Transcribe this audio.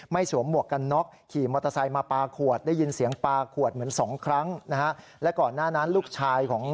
ไม่สวมหมวกกันน็อกขี่มอเตอร์ไซค์มาปลาขวดได้ยินเสียงปลาขวดเหมือนสองครั้งนะฮะ